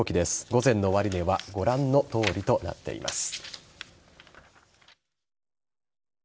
午前の終値はご覧のとおりとなっています。